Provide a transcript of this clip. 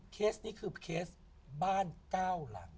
เคสนี้คือเคสบ้าน๙หลัง